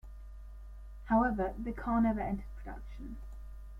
However, the car never entered production.